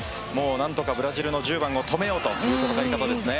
何とかブラジルの１０番を止めようという戦い方ですね。